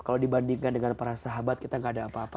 kalau dibandingkan dengan para sahabat kita gak ada apa apa